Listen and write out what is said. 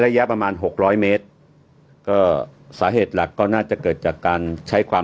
ประมาณหกร้อยเมตรก็สาเหตุหลักก็น่าจะเกิดจากการใช้ความ